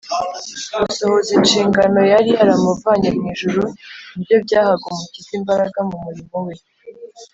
Gusohoza inshingano yari yaramuvanye mw’ijuru ni byo byahaga Umukiza imbaraga mu murimo we